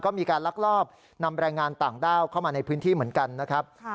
ก็มีการลักลอบนำแรงงานต่างด้าวเข้ามาในพื้นที่เหมือนกันนะครับ